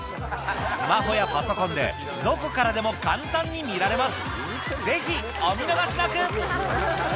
スマホやパソコンでどこからでも簡単に見られます